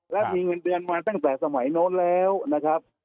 และมีเงินเดือนมาตั้งแต่สมัยโน้นแล้วนะครับ